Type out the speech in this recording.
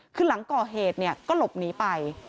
คือหลังก่อเหตุก็หลบหนีไป